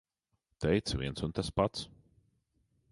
Teica - viens un tas pats.